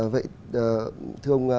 vậy thưa ông